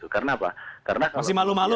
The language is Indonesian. karena apa karena masih malu malu